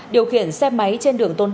điều khiển xe máy trên đường tôn đức